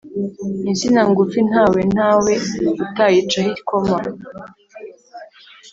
Insina ngufi ntawe ntawe utayicaho ikoma.